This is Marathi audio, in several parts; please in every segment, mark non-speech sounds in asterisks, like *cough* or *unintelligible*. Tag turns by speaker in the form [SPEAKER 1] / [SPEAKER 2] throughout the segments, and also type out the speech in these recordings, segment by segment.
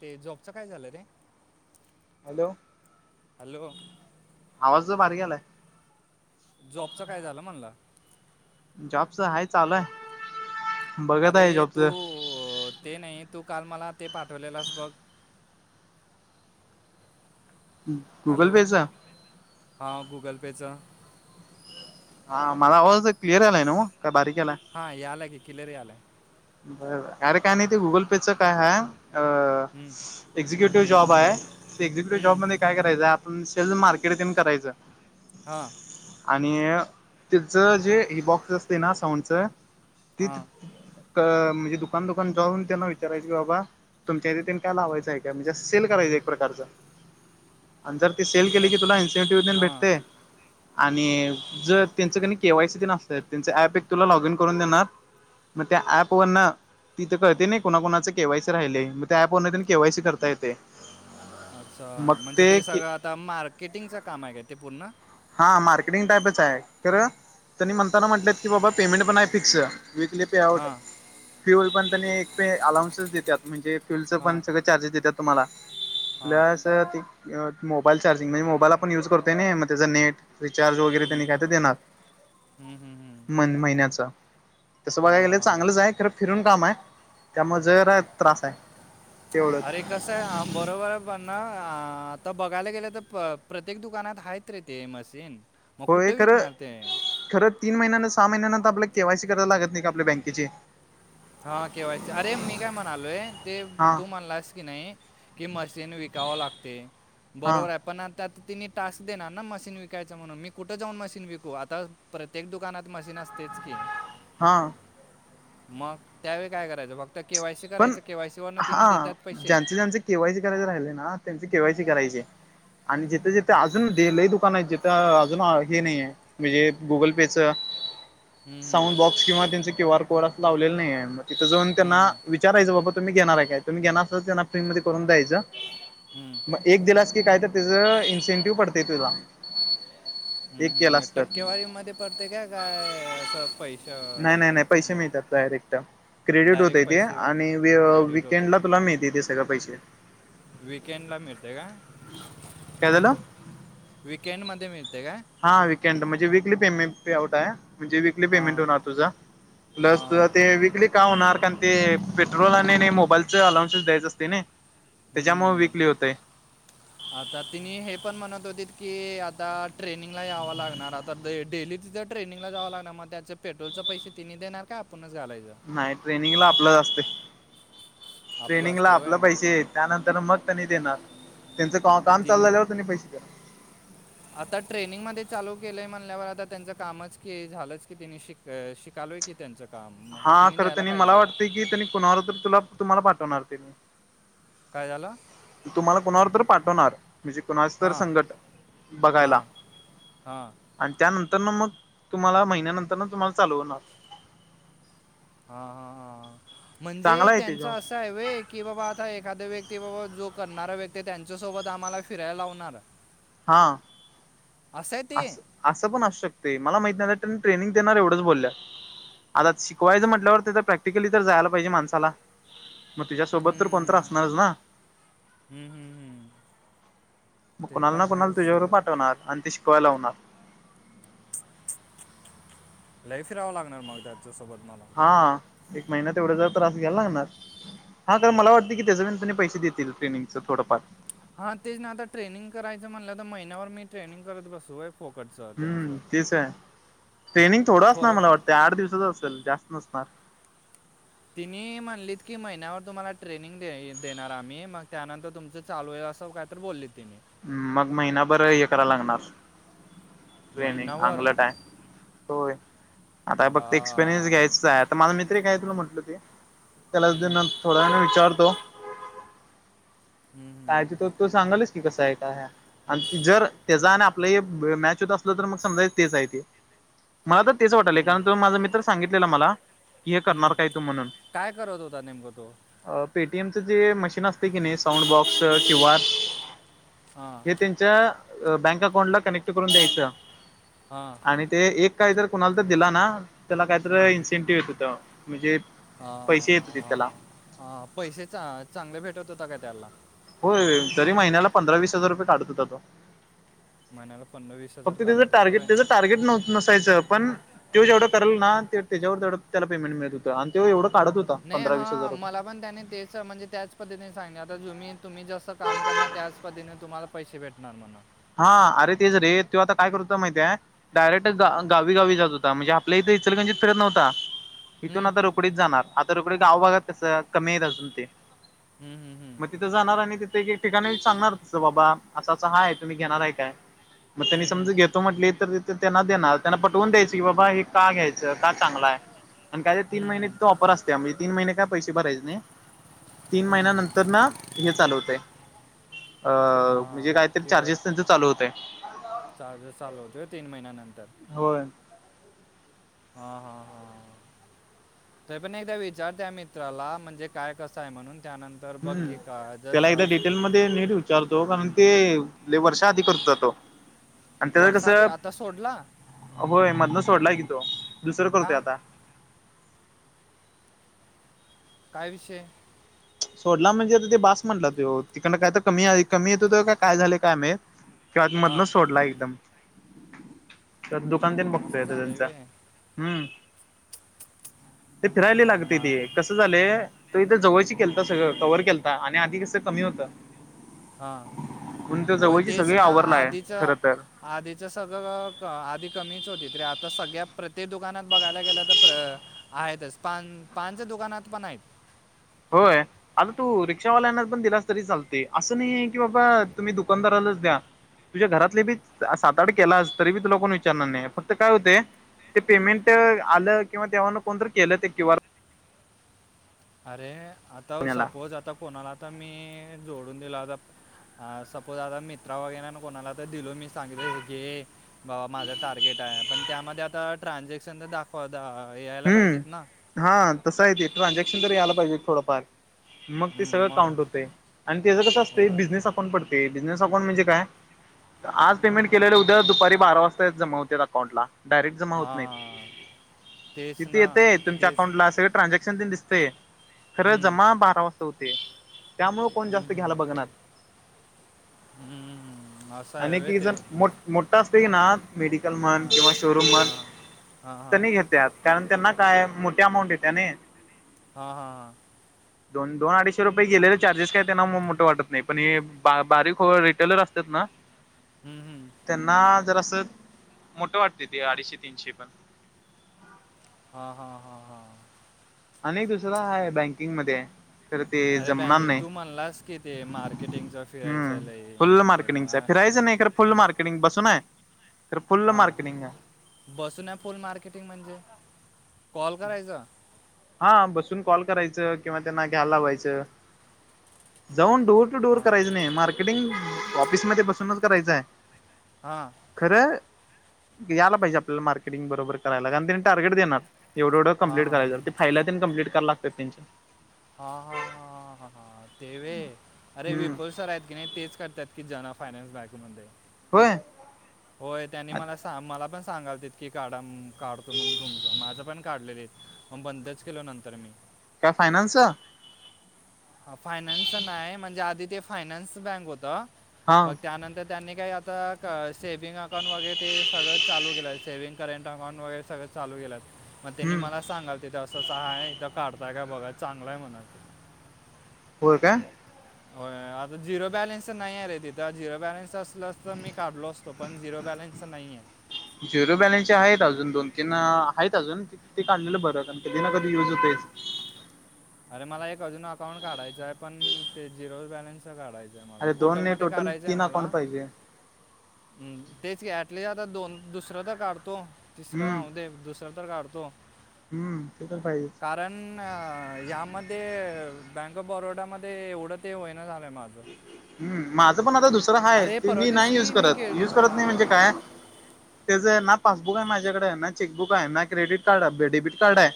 [SPEAKER 1] ते जॉबचं काय झालं रे?
[SPEAKER 2] हॅलो
[SPEAKER 1] हॅलो
[SPEAKER 2] आवाज तुझा बाारीकआलाय.
[SPEAKER 1] जॉबच काय झालं म्हणला.
[SPEAKER 2] जॉबच आहे चालू आहे. बघत
[SPEAKER 1] अरे,
[SPEAKER 2] आहे
[SPEAKER 1] तू
[SPEAKER 2] जॉबच
[SPEAKER 1] ते नाही, तू काल -मला ते पाठवलेलंस बघ.
[SPEAKER 2] गुगल पेच.
[SPEAKER 1] हा गुगल पेच.
[SPEAKER 2] हा माझाआवाज तर क्लिअर आलाय ना, मग काय बारीक आलाय.
[SPEAKER 1] हायालाय की किलेरी यालाय.
[SPEAKER 2] अरे काय नाही ते गुगल पेचं काय आहे,
[SPEAKER 1] हम्म,
[SPEAKER 2] अ एक्झिक्युटिव्ह जॉब आहे. एक्झिक्युटिव्ह
[SPEAKER 1] हम्म,
[SPEAKER 2] जॉबमध्येकाय करायचं आपण सेल् मार्केटिंग करायचं.
[SPEAKER 1] हां.
[SPEAKER 2] आणि त्याचं जे हे बॉक्स असते ना साऊंडच ती
[SPEAKER 1] हां
[SPEAKER 2] म्हणजे दुकान- दुकान जाऊन त्यांना विचारायचं बाबा. तुमच्या इथं तेन काय लावायचं आहे का म्हणजे सेल करायचं एक प्रकारच आणि जर ते सेल
[SPEAKER 1] एका
[SPEAKER 2] केले की तुला *unintelligible*
[SPEAKER 1] हां
[SPEAKER 2] भेटते आणि जर त्यांच कणी केवाय सी तेन असल त्यांच ऍप एक तुला लॉग इन करून देणार मग त्या ऍप व तिथं कळते नाही कोणाकणाच के वावायसी राहिले, मग त्या ऍप व केवाय सी करता येते.
[SPEAKER 1] अच्छा म्हणजे ते सगळं आता मार्केटिंगचं काम आहे काय ते पूर्ण
[SPEAKER 2] हा मार्केटिंग टाईपच आहे, खरं त्यांनी म्हणताना म्हटले की बाबा पेमेंट पण आहे फिक्स वीकली. पे आउट
[SPEAKER 1] हां
[SPEAKER 2] फ्युल पण त्यांनी एक अलाउन्स देतात, म्हणजे फ्युअलचं
[SPEAKER 1] हां
[SPEAKER 2] पण सगळं चार्जेस देतात. तुम्हाला,
[SPEAKER 1] हां
[SPEAKER 2] मोबाईल चार्जिंग म्हणजे मोबाईल आपण युज करतोय नाही. त्या नेटच
[SPEAKER 1] हम्म,
[SPEAKER 2] वगैरेनी काय देणार.
[SPEAKER 1] हम्म, हम्म, हम्म.
[SPEAKER 2] महिन्याच तसं बघायला
[SPEAKER 1] हां
[SPEAKER 2] गेलं तर
[SPEAKER 1] हां हां
[SPEAKER 2] चांगलचाय ख फिरून काम आहे त्यामुळे जरा त्रास आहे. तेवढंच
[SPEAKER 1] अरे कसं आहे बरोबर आहे पण ना आता बघायला गेलं तर प्रत्येक दुकानात आहेत. आहेत रे ते मशीन मग
[SPEAKER 2] होय
[SPEAKER 1] कुठे
[SPEAKER 2] खरं
[SPEAKER 1] विकणार ते?
[SPEAKER 2] खरं तीन महिन्याना सहा महिन्यानंत आपला केवायसी कराय लागत नाही का आपल्या बँकेची.
[SPEAKER 1] हा केवा्हायसी, अरे मी काय म्हणालोय ते
[SPEAKER 2] हा
[SPEAKER 1] तू म्हणलास की नाही कि मशीन विकावा लागते,
[SPEAKER 2] हा
[SPEAKER 1] बरोबर आहे पण त्यात तिने टास्क देणार ना मशीन विकायचं म्हणून मी कुठं जाऊन मशीन विकू, आता पर प्रत्येक दुकानात मशीन असतेच की,
[SPEAKER 2] हा
[SPEAKER 1] मग त्यावेळीं काय करायचं फक्त केवायसी
[SPEAKER 2] पण
[SPEAKER 1] करायचं, फक्त केवायसी वरन तिने
[SPEAKER 2] हा
[SPEAKER 1] देतात पैसे.
[SPEAKER 2] ज्यांचे ज्यांचे केवायसी करायचे राहिले ना त्यांचे केवायसी करायची आणि जिथे जिथे अजून देही दुकान आहे जथे तिथं अजून हे नाही आहे म्हणजे गुगल पेच
[SPEAKER 1] हम्म,
[SPEAKER 2] साऊंड बॉक्स किंवा त्यांच क्यू आर कोड असं लावलेलं नाही आहे मग तिथं जाऊन त्यांना
[SPEAKER 1] हम्म,
[SPEAKER 2] विचारायं बाबा तुम्हीे घेणार आहे काय? तुम्ही घेणार असल त्यांना फ्रीमध्ये करून दायचं.
[SPEAKER 1] हम्म,
[SPEAKER 2] मग एक दिलास की काय तर त्याच इन्सेंटिव्ह पडते तुला,
[SPEAKER 1] हम्म
[SPEAKER 2] एक
[SPEAKER 1] हम्म
[SPEAKER 2] केलास तर
[SPEAKER 1] टक्केवारी मध्ये पडते का काय असं पैसे,
[SPEAKER 2] नाही नाही नाही पैसे मिळतात डायरेक्ट. क्रेडिट होते
[SPEAKER 1] डायरेक्ट
[SPEAKER 2] तेे
[SPEAKER 1] पैसे
[SPEAKER 2] आणि व
[SPEAKER 1] क्रेडिट
[SPEAKER 2] वीकेंडला तुला मिळते ते सगळे पैसे.
[SPEAKER 1] वीकेंड ला मिळते का?
[SPEAKER 2] कायदलं *inaudible*
[SPEAKER 1] वीकेंड मध्ये मिळते का?
[SPEAKER 2] हा वीकेंड म्हणजे, वीकली पेमेंट पे आउट आहे म्हणजे वीकली पेमेंट
[SPEAKER 1] हां
[SPEAKER 2] होणार तुझा प्लस तुझ
[SPEAKER 1] हां
[SPEAKER 2] वीकली. का होणार कारण ते पेट्रोलने नाही मोबाईलचे अला्सेस द्यायचं असते ना. त्याच्यामुळ
[SPEAKER 1] हम्म.
[SPEAKER 2] विकली होते.
[SPEAKER 1] आता तिने हे पण म्हणत होती की आता ट्रेनिंगला यावं लागणार आता. तर डेली तिथं ट्रेनिंगला जावं लागणार मग त्याचं पेट्रोलचे पैसे तिने देणार का आपणच घालायचं.
[SPEAKER 2] नाही ट्रेनिंगला आपलंच असते.
[SPEAKER 1] आपलं
[SPEAKER 2] ट्रेनिंग ला
[SPEAKER 1] असते
[SPEAKER 2] आपले
[SPEAKER 1] वय
[SPEAKER 2] पैसे त्यानंतर मग त्यांनी देणार. त्यांचं का काम
[SPEAKER 1] तिने
[SPEAKER 2] चाललंलं हो त्यांनी पैसे द्या.
[SPEAKER 1] आता ट्रेनिंग मध्ये चालू केलंय म्हणल्यावर आता त्यांच कामच कि झालंच की ति शिक शिकालोय की त्यांचं काम मग तिने द्यायला पाहिजेत.
[SPEAKER 2] क त्यांनी कोणावर तर तुला तुम्हाला पाठवणार त्यांनी
[SPEAKER 1] काय झालं?
[SPEAKER 2] तुम्हांला कुणांवर तरं पाठवणांर म्हणजे कुणांच तरं
[SPEAKER 1] हां
[SPEAKER 2] संकट बघांयला.
[SPEAKER 1] हां हां.
[SPEAKER 2] आणि त्यानंतर नां मगं तुम्हांला महिन्यानंतर नां तुम्हांला चालूं होणारं.
[SPEAKER 1] हां हां हां म्हणजे
[SPEAKER 2] चांगला आहे ते
[SPEAKER 1] त्यांचा
[SPEAKER 2] जॉब
[SPEAKER 1] असं आहे व की बाबां आता एखादं व्यक्ती बाबा जो करणारा व्यक्ती त्यांच्यासोबत आम्हांला फिरायला लावणारं.
[SPEAKER 2] हां
[SPEAKER 1] आहे ते
[SPEAKER 2] असं असं पणं असू शकते मला माहित नाहीं त्यांनी ट्रेनिंग देणारं एवढंच बोलल्या. आता शिकवायचं म्हंटल्यावर ते तरं प्रॅक्टिकली तरं जायला पाहिजे माणसाला मग तुझ्यासोबत तर कोणत
[SPEAKER 1] हम्मं
[SPEAKER 2] असणारच ना
[SPEAKER 1] हम्मं हम्मं हम्मं.
[SPEAKER 2] कोणाल ना कोणाल नीरोप पाठवणार अन् ते शिकवा लावणारं.
[SPEAKER 1] लई फिरावं लागणारं मगं त्याच्यासोबत मला.
[SPEAKER 2] हां एक महिन्यात तेवढा जरं त्रास घ्याला लागणारं. हां तरं मला वाटतें की त्याच्या ननंतनी पैसे देतील ट्रेनिंगचं थोडंफार
[SPEAKER 1] हां तेचं ना आता ट्रेनिंग करायचं म्हणलं तरं महिन्यावर मीं ट्रेनिंग करतं बसूं व्हय फोकटचा
[SPEAKER 2] हम्मं तेचं आहे ट्रेनिंग थोडं असणारं मला वाटतं आंठ दिवसाचं असेल जास्तं नसणार.
[SPEAKER 1] तिनी म्हणलीत की महिन्यावर तुम्हांला ट्रेनिंग देणारं आम्हीं मगं त्यानंतर तुमचं चालूं आहे असो कां. तरं बोलले तेनी
[SPEAKER 2] हम्मं मगं महिनाभर हे करायला लागणारं. ट्रेनिंग
[SPEAKER 1] महिनाभर
[SPEAKER 2] चांगलं टायम होय आता
[SPEAKER 1] मला
[SPEAKER 2] फक्तं एक्सपिरियन्स घ्यायचं आहे. माझा मितत्री कायं तुला म्हंटलं ते त्याला
[SPEAKER 1] हम्म,
[SPEAKER 2] थोडा वेळाने विचारतो.
[SPEAKER 1] हम्मं हमं.
[SPEAKER 2] कायं त तरं तो सांगालच की कसं आहे कां हाय आणि जरं त्याचा आणि आपलं हे मॅच होतं असलं तर मगं समजा तेचं आहे ते मला तरं तेचं वाटलय
[SPEAKER 1] हम्म,
[SPEAKER 2] कारणं तुम्हीं माझा मित्रं सांगितलेला मला कि हे
[SPEAKER 1] हम्म.
[SPEAKER 2] करणारं कायं तूं म्हणूंन
[SPEAKER 1] काय करत होता नेमकं तो
[SPEAKER 2] पेटीएमच जे मशीन असतें की नाहीं साऊंड बॉक्स क्यूँ आर.
[SPEAKER 1] हां
[SPEAKER 2] हे त्यांच्या बँक अकाउंटला कनेक्ट करूंन द्यायचं.
[SPEAKER 1] हां.
[SPEAKER 2] आणि ते एक काहीं जरं कुणाला तरं दिला ना त्याला काहीं तरं इन्सेंटिव्ह येतं होतं म्हणजे
[SPEAKER 1] हां
[SPEAKER 2] पैसे येत होते त्याला
[SPEAKER 1] हां हां पैसेचा चांगले भेटतं होता कां त्याला
[SPEAKER 2] होय तरी महिन्याला पंधरा वीस हजार रुपये काढतं होता तो
[SPEAKER 1] महिन्याला पन्नास वीस हजार
[SPEAKER 2] फक्तं त्याचं
[SPEAKER 1] काढत होता
[SPEAKER 2] टार्गेट
[SPEAKER 1] वय
[SPEAKER 2] त्याचं टार्गेट नव्हतं. नसायचं पणं त जेवढं करेल ना त्याच्यावर त्याला पेमेंट मिळतं होतं आणि त्यो एवढं काढतं होतं.
[SPEAKER 1] नाहीं हां मला. पणं त्यानी तेचं म्हणजे त्याचं पद्धतीनें सांग आता तुम्हीं तुम्हीं जसं कामं करणारं त्याचं पद्धतीनें तुम्हाला पैसे भेटणार मना
[SPEAKER 2] हां अरे तेचं रे त्यो आता कायं करतं होता माहित आहे डायरेक्ट ग गावी गावी जातं होता म्हणजे आपल्या इथं इचलकरंजीत फिरतं नव्हतां इथून
[SPEAKER 1] हम्म,
[SPEAKER 2] आता रोकडीच जाणारं आता रोकडीच गावबागात कसं कमी येतं अजूंन ते
[SPEAKER 1] हम्मं हम्मं हम्मं
[SPEAKER 2] तिथ जाणारं आणि तिथे एक एक ठिकाणी सांगणार तं बाबां असाचं हां आहे तुम्हीं घेणारं आहे कायं मगं त्यांनी समजावून
[SPEAKER 1] हम्म, हम्म,
[SPEAKER 2] घेतो म्हटंली तरं त्यांना देणारं त्यांना पटवूंन द्यायचे की बाबां हे कां घ्यायचे कां चांगला आहे आणि कायं तीनं महिने
[SPEAKER 1] हम्म,
[SPEAKER 2] ते ऑफर असते म्हणजे तीनं महिने कायं पैसे भरांयचे नाहीं. तीनं
[SPEAKER 1] हम्म, हम्म.
[SPEAKER 2] महिन्या नंतर नां हे चालू होते आहे अं
[SPEAKER 1] हा
[SPEAKER 2] म्हणजे कायंतरी तुझं चालू होतय.
[SPEAKER 1] चार्जेस चालू होतय तीन महिन्यानंतर
[SPEAKER 2] होय
[SPEAKER 1] हा.. हा... हा तरी पण एकदा विचार त्या मित्राला म्हणजे काय कसं आहे म्हणून त्यानंतर तर बक्की का जस
[SPEAKER 2] ते नीट विचारतो कारण ते.. वर्षा आधी करत जातो. आणि त्याज कस..
[SPEAKER 1] वर्षा दे आता सोडला
[SPEAKER 2] होय, मधन सोडलाय की तो, दुसरं करतोय
[SPEAKER 1] का
[SPEAKER 2] आता
[SPEAKER 1] काय विषय?
[SPEAKER 2] सोडला म्हणजे ते बास म्हटला त्यो.. तिकडं काय तर कमी.. कमी येत हो काय झाले काय माहित? किंवा
[SPEAKER 1] हा
[SPEAKER 2] मधनच सोडला एकदम तर दुकान न ते
[SPEAKER 1] हम्म, असं
[SPEAKER 2] बघतो तर
[SPEAKER 1] झालंय
[SPEAKER 2] त्यांच..
[SPEAKER 1] वे
[SPEAKER 2] हम्म फिरायला
[SPEAKER 1] आता
[SPEAKER 2] लागते
[SPEAKER 1] मा
[SPEAKER 2] ती कसं झालंय ते इथे जवळची केलता सगळं कवर केलता आणि आधी कसं कमी होतं.
[SPEAKER 1] हा...
[SPEAKER 2] म्हणून तो
[SPEAKER 1] होय
[SPEAKER 2] जवळची
[SPEAKER 1] तेच
[SPEAKER 2] सगळी
[SPEAKER 1] ना
[SPEAKER 2] आवरलाय
[SPEAKER 1] आधीच
[SPEAKER 2] खर तर
[SPEAKER 1] आधीच सगळं अ.. आधी कमीच होती ते आता सगळ्या प्रत्येक दुकानात बघायला गेलं तर अ.. आहेतच.. पान... पानच्या दुकानात पण आहेत.
[SPEAKER 2] होय. आता तू रिक्षावाल्यांना पण दिलास तरी चालतेय, असं नाही की बाबा तुम्ही दुकानदारालाच द्या. तुझ्ये घरातले बी सात -आठ केलास तरी बी तूला कोण विचारणार नाही फक्त काय होतंय. ते पेमेंट आलं.. किंवा तेव्हा कोणत केलं ते क्यू. आर. कोड
[SPEAKER 1] अरे... आता
[SPEAKER 2] याला
[SPEAKER 1] सपोज आता कोणाला आता मी.. जोडून दिला आता आ... सपोज आता मित्रा वगैर ना कोणाला तर दिलो मी चांगले है की बाबा माझं टार्गेट हाय पण त्यामध्ये आता ट्रान्झॅक्शन तर दाखवा.. यायला पाहिजेत ना.
[SPEAKER 2] हम्म हा तसं आहे ते ट्रान्झॅक्शन तरी आला पाहिजे थोडंफार मग ते
[SPEAKER 1] हम्म,
[SPEAKER 2] सगळं
[SPEAKER 1] मग
[SPEAKER 2] काउंट होतय अन्.. त्याचं कसं
[SPEAKER 1] होय
[SPEAKER 2] असतं बिझनेस पडतेय बिझनेस अकाउंट म्हणजे काय? आज पेमेंट केलेले उद्या दुपारी बारा वाजता जमा होत अकाउंट ला डायरेक्ट जमा होत नाही.
[SPEAKER 1] हां तेच
[SPEAKER 2] तिथ
[SPEAKER 1] ना
[SPEAKER 2] येतय तुमच्या
[SPEAKER 1] तेच
[SPEAKER 2] अकाउंट सगळं ट्रान्जक्ट दिसतय.. खरं
[SPEAKER 1] हम्म,
[SPEAKER 2] जमा बारा वाजता होतेय. त्यामुळ कोण जास्त घ्यायला
[SPEAKER 1] हम्म,
[SPEAKER 2] बघणार
[SPEAKER 1] हम्म, हम्म. असं आहे
[SPEAKER 2] आणि
[SPEAKER 1] व्हय
[SPEAKER 2] की
[SPEAKER 1] ते
[SPEAKER 2] जण... मोठ -मोठा असते की ना? मेडिकल म्हण
[SPEAKER 1] हां
[SPEAKER 2] किंवा शोरूम म्हण..
[SPEAKER 1] हां हां हां
[SPEAKER 2] तनी घेत्यात. कारण त्यांना काय.. मोठी अमाऊंट येते नई
[SPEAKER 1] हा.. हा.. हा
[SPEAKER 2] दोन.. दोन अडीचशे रुपये गेलेले चार्जेस काय त्यांना मग म.. मोठे वाटत नाही पण बा.. बारीक रिटेलर असतात ना
[SPEAKER 1] हम्म,
[SPEAKER 2] त्यांना जर असं.. मोठ वाटतय ते अडीचशे- तीनशे पण
[SPEAKER 1] हा.. हा.. हा.. हा
[SPEAKER 2] आणि दुसर हाय बँकिंग मध्ये तर ते
[SPEAKER 1] अरे
[SPEAKER 2] जमणार
[SPEAKER 1] बँके
[SPEAKER 2] नाही,
[SPEAKER 1] तू म्हणलास की ते मार्केटिंगचं
[SPEAKER 2] हम्म..
[SPEAKER 1] फिरायचं लय
[SPEAKER 2] फुल
[SPEAKER 1] ते पण
[SPEAKER 2] मार्केटिंगच है
[SPEAKER 1] आ-
[SPEAKER 2] फिरायचं नाही. फुल मार्केटिंग पासून आहे, तर फुल
[SPEAKER 1] हां
[SPEAKER 2] मार्केटिंग आहे.
[SPEAKER 1] बसून हाय फुल मार्केटिंग म्हणजे.. कॉल करायच.
[SPEAKER 2] हा.. बसून कॉल करायचं किंवा त्यांना घ्यायला लावायचं. जाऊन डोअर टू डोअर
[SPEAKER 1] हां
[SPEAKER 2] करायचं नाही मार्केटिंग.. ऑफिसमध्ये बसूनच करायचं आहे.
[SPEAKER 1] हा
[SPEAKER 2] खरं यायला पाहिजे आपल्याला मार्केटिंग बरोबर करायला कारण त्यांनी टार्गेट देणार एवढं एवढं
[SPEAKER 1] हां
[SPEAKER 2] कंप्लीट
[SPEAKER 1] हां
[SPEAKER 2] करायचल ते फायला न ते कंप्लीट कराय लागतात त्यांच्या.
[SPEAKER 1] हा हा हा हा ते व्हय अरे
[SPEAKER 2] हम्म
[SPEAKER 1] विपुल सर आहेत की नाही तेच करतात की जना फायनान्स बँक मध्ये.
[SPEAKER 2] होय.
[SPEAKER 1] होय त्यांनी मला मला पण सांगालत की काढा काढतो म्हणून तुमचं माझं पण काढलेलंय. मग बंदच केलो नंतर मी.
[SPEAKER 2] काय फायनान्स चं?
[SPEAKER 1] हा फायनान्स नाही म्हणजे आधी ते फायनान्स बँक होत मग त्यानंतर त्यांनी काही आता क सेव्हिंग अकांउंट वगैरे ते सगळंच चालू केलंय, सेव्हिंग करंट अकाउंट वगैरे सगळं चालू केलंत. मग त्यांनी
[SPEAKER 2] हम्म
[SPEAKER 1] मला सांगालते हिथ असं अस हाय इथं काढताय का बघा चांगलंय म्हण ते.
[SPEAKER 2] होय का?
[SPEAKER 1] हो आता झिरो बॅलेन्स नाही आहे रे तिथं झिरो बॅलेन्स असल असतं तर मी काढलो असतो. पण झिरो बॅलेन्सच नाही आहे.
[SPEAKER 2] झिरो बॅलेन्सचे आहेत अजून दोन तीन आहेत अजून ते काढलेलं बरं आणि कधी ना कधी युज होतयच.
[SPEAKER 1] अरे मला एक अजून अकाउंट काढायचं आहे पण ते झिरो बॅलन्स तस काढायचंय मला
[SPEAKER 2] अरे दोन
[SPEAKER 1] कोटक
[SPEAKER 2] नाही
[SPEAKER 1] मध्ये
[SPEAKER 2] टोटल
[SPEAKER 1] काढायचंय
[SPEAKER 2] तीन
[SPEAKER 1] मला.
[SPEAKER 2] अकाउंट पाहिजे
[SPEAKER 1] हम्म तेच की ऍटलीस्ट आता दोन दुसरं तर काढतो तिसरं
[SPEAKER 2] हम्म
[SPEAKER 1] राहु दे दुस सर तर काढतो.
[SPEAKER 2] हम्म ते तर पाहिजेच.
[SPEAKER 1] कारण यामध्ये बँक ऑफ बरोडामध्ये एवढं ते होईना झालंय माझं.
[SPEAKER 2] हम्म माझं पण आता दुसरं हाय
[SPEAKER 1] अरे
[SPEAKER 2] ती
[SPEAKER 1] परवा
[SPEAKER 2] मी नाही युज
[SPEAKER 1] दिवशी मी
[SPEAKER 2] करत
[SPEAKER 1] गेलो
[SPEAKER 2] युज करत
[SPEAKER 1] अ-
[SPEAKER 2] नाही म्हणजे काय? त्याच आहे ना पासबुक आहे माझ्याकडे, ना चेकबुक, ना क्रेडिट कार्ड, ना डेबिट कार्डय.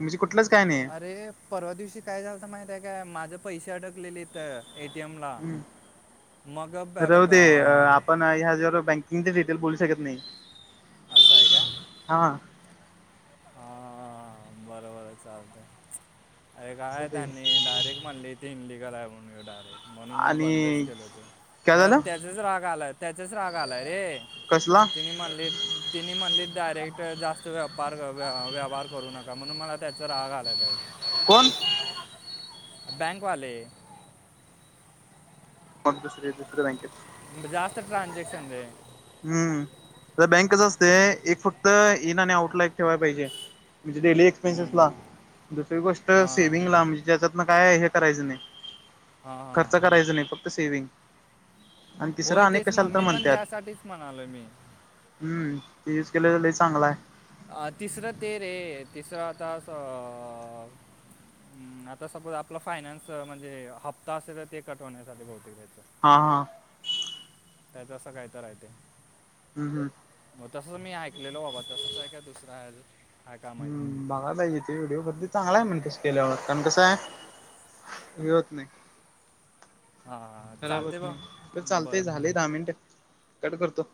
[SPEAKER 2] *inaudible* म्हजी कुठलंच काय नाही.
[SPEAKER 1] अरे परवा दिवशी काय झालत माहित आहे काय माझं पैसे अडकलेले हिथ ए टी एम ला
[SPEAKER 2] हम्म
[SPEAKER 1] मग ब ब ब अं
[SPEAKER 2] नाही ह्या ज्यावर बँकिंगचे डिटेल बोलू शकत नाही.
[SPEAKER 1] असंय का?
[SPEAKER 2] हा.
[SPEAKER 1] हा बरोबर य चालतय. अरे काय
[SPEAKER 2] ते
[SPEAKER 1] त्यांनी डायरेक्ट म्हणली ती हिंदी करा म्हणून डायरेक्ट म्हणून मी बंदच
[SPEAKER 2] आणि
[SPEAKER 1] केल होतो
[SPEAKER 2] काय
[SPEAKER 1] मला
[SPEAKER 2] झालं
[SPEAKER 1] त्याचाच राग आला त्याचाच राग आलाय रे.
[SPEAKER 2] कसला?
[SPEAKER 1] त्यनी म्हणले, त्यनी म्हणले डायरेक्ट जास्त व पार व व व्यवहार करू नका म्हणून मला त्याचा राग आलाय त्यात.
[SPEAKER 2] कोण?
[SPEAKER 1] बँकवाले.
[SPEAKER 2] *unintelligible*
[SPEAKER 1] जास्त ट्रांझेक्शन रे.
[SPEAKER 2] हम्म तर बँक कस असते एक फक्त इन आणि आउटला ठेवाय पाहिजे. मजे डेली एक एक्सपेन्सेस
[SPEAKER 1] हम्म.
[SPEAKER 2] ला दुसरी गोष्ट
[SPEAKER 1] हां
[SPEAKER 2] सेव्हंगला म्हणजे त्या्च्यातन काय हे करायचं नाही.
[SPEAKER 1] हां हां
[SPEAKER 2] खर्च करायचा नाही फक्त सेविंग
[SPEAKER 1] होय तेच मग मी पण त्यासाठीच म्हणालोय मी.
[SPEAKER 2] हम्म ते युज केलंल लय चांगलाय
[SPEAKER 1] अह तिसरं ते रे तिसरं आता सा हम्म आता सपोज आपला फायनान्स म्हणजे हप्ता असेल ते कट होण्यासाठी बहुतेक घ्यायचं.
[SPEAKER 2] हा हा!
[SPEAKER 1] त्याच असं काय तरह ते
[SPEAKER 2] हम्म हम्म.
[SPEAKER 1] मग तसंच मी ऐकलेलो बाबा तसच आहे काय दुसरं आहे रे
[SPEAKER 2] हम्म बघा पाहिजे तेे व्हिडिओ करते. चांगलाय म्हण तस केल्यावर कारण कसं आहे हे होत नाही
[SPEAKER 1] हां
[SPEAKER 2] खराब होत
[SPEAKER 1] चालते
[SPEAKER 2] नाही.
[SPEAKER 1] बा
[SPEAKER 2] तर
[SPEAKER 1] बरं
[SPEAKER 2] चालतय झाले दहा मिनट कट करतो.